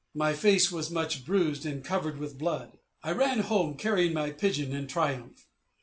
My face was much bruised, and covered with blood. I ran home, carrying my pigeon in triumph.